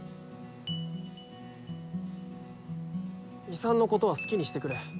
遺産のことは好きにしてくれ。